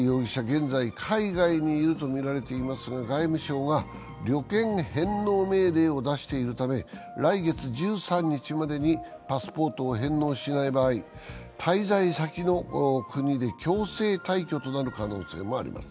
現在、海外にいるとみられていますが外務省が旅券返納命令を出しているため、来月１３日までにパスポートを返納しない場合滞在先の国で強制退去となる可能性もあります。